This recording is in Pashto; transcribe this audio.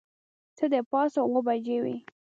څه د پاسه اوه بجې وې.